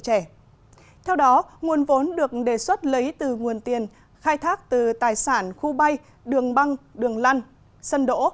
theo đó nguồn vốn được đề xuất lấy từ nguồn tiền khai thác từ tài sản khu bay đường băng đường lăn sân đỗ